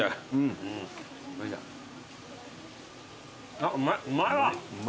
あっうまいうまいわ。